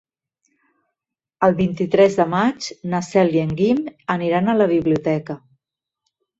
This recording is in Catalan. El vint-i-tres de maig na Cel i en Guim aniran a la biblioteca.